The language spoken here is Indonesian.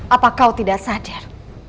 apa kau tidak sadar